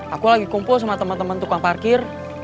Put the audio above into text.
aku lagi kumpul sama temen temen tukang parkir